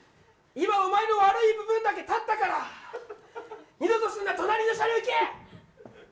今、お前の悪い部分だけたったから二度とするな隣の車両へ行け！